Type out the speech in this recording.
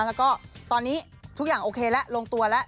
แล้วก็ตอนนี้ทุกอย่างโอเคแล้วลงตัวแล้ว